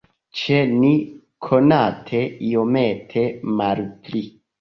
Ĉe ni, konate, iomete malpli.